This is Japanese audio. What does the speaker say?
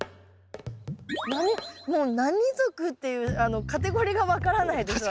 何もう何属っていうカテゴリーが分からないです